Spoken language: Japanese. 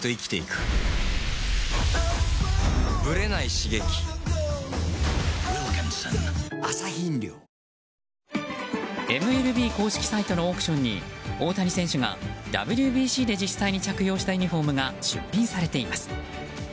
ＷＩＬＫＩＮＳＯＮＭＬＢ公式サイトのオークションに大谷選手がＷＢＣで実際に着用したユニホームが出品されています。